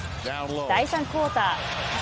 第３クオーター。